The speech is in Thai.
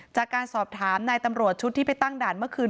จากการสอบถามนายตำรวจชุดที่ไปตั้งด่านเมื่อคืน